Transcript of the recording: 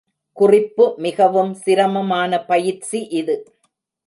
குறிப்பு மிகவும் சிரமமான பயிற்சி இது.